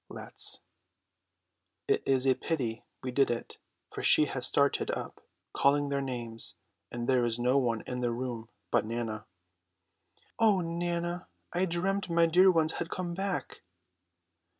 Let's. It is a pity we did it, for she has started up, calling their names; and there is no one in the room but Nana. "O Nana, I dreamt my dear ones had come back."